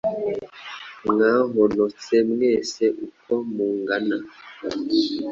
Mwahonotse mwese uko mungana